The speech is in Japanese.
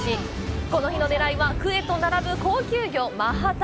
この日の狙いはクエと並ぶ高級魚・マハタ！